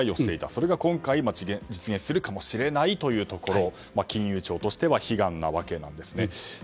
それが今回実現するかもしれないというところ金融庁としては悲願なわけですね。